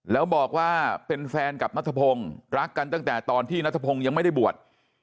แล้วบอกว่าเป็นแฟนกับนัทพงศ์รักกันตั้งแต่ตอนที่นัทพงศ์ยังไม่ได้บวช